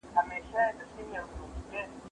هغه څوک چي لیکل کوي پوهه زياتوي!